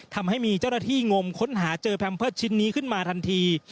ทำให้มีเจ้าหน้าที่งมค้นหาเจอแพมเพิร์ตชิ้นนี้ขึ้นมาทันที